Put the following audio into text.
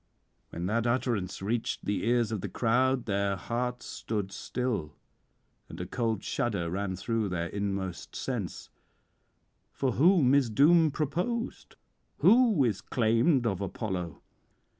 _ When that utterance reached the ears of the crowd, their hearts stood still, and a cold shudder ran through their inmost sense: for whom is doom purposed? who is claimed of Apollo?